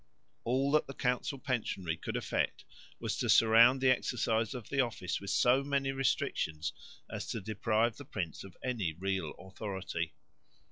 All that the council pensionary could effect was to surround the exercise of the office with so many restrictions as to deprive the prince of any real authority.